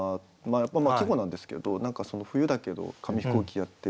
まあ季語なんですけど何かその冬だけど紙飛行機やってる。